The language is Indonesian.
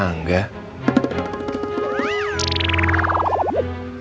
adiknya angga cuma ngasih kue